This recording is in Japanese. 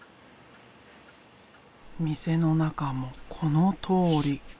店の中もこのとおり。